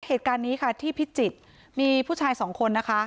เหตุการณ์นี้ค่ะที่พิจิตรมีผู้ชายสองคนนะคะ